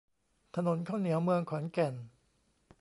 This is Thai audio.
ถนนข้าวเหนียว เมืองขอนแก่น